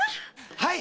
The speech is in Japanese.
はい！